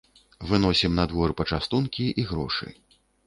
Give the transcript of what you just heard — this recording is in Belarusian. Выносім на двор пачастункі і грошы.